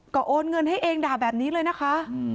ก็โอนเงินให้เองด่าแบบนี้เลยนะคะ